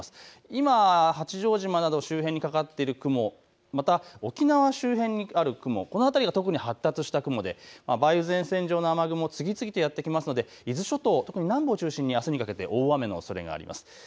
今、八丈島など周辺にかかっている雲、また沖縄周辺にある雲、この辺りが特に発達した雲で梅雨前線上の雨雲が次々とやって来ますので伊豆諸島、特に南部を中心にあすにかけて大雨のおそれがあります。